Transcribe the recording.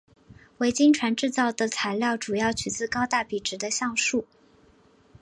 维京船制造的材料主要取自高大笔直的橡树。